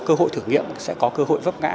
cơ hội thử nghiệm sẽ có cơ hội vấp ngã